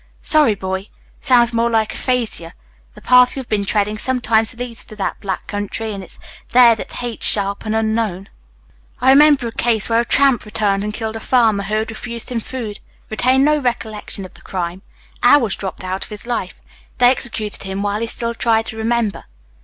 Sorry, boy. Sounds more like aphasia. The path you've been treading sometimes leads to that black country, and it's there that hates sharpen unknown. I remember a case where a tramp returned and killed a farmer who had refused him food. Retained no recollection of the crime hours dropped out of his life. They executed him while he still tried to remember."